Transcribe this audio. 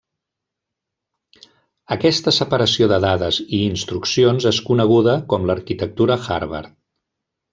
Aquesta separació de dades i instruccions és coneguda com l'arquitectura Harvard.